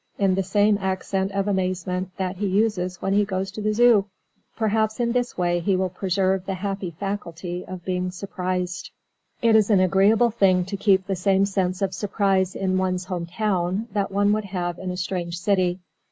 in the same accent of amazement that he uses when he goes to the Zoo. Perhaps in this way he will preserve the happy faculty of being surprised. It is an agreeable thing to keep the same sense of surprise in one's home town that one would have in a strange city.